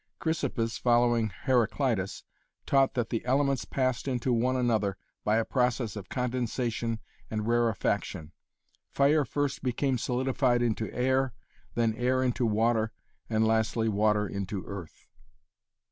Chrysippus, following Heraclitus, taught that the elements passed into one another by a process of condensation and rarefaction. Fire first became solidified into air, then air into water and lastly water into earth.